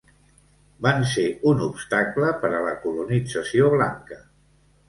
Van ser un obstacle per a la colonització blanca.